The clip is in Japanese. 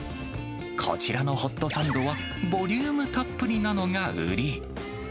こちらのホットサンドは、ボリュームたっぷりなのが売り。